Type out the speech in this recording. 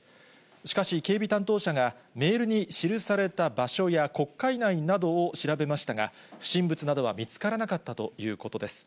しかし、警備担当者がメールに記された場所や国会内などを調べましたが、不審物などは見つからなかったということです。